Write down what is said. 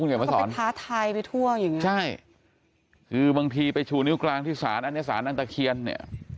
เดี๋ยวมาสอนท้าทายไปทั่วอย่างเงี้ใช่คือบางทีไปชูนิ้วกลางที่ศาลอันนี้สารอันตะเคียนเนี่ย